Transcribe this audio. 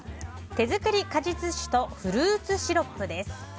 手作り果実酒とフルーツシロップです。